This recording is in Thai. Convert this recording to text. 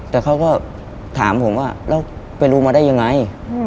แต่เขาก็ถามผมว่าแล้วไปรู้มาได้ยังไง